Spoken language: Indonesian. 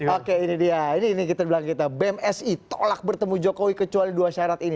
oke ini dia ini kita bilang kita bemsi tolak bertemu jokowi kecuali dua syarat ini